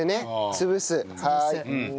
潰す。